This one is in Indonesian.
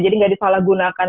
jadi gak disalahgunakan